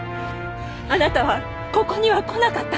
あなたはここには来なかった。